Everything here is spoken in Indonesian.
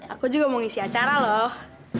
aku juga mau ngisi acara loh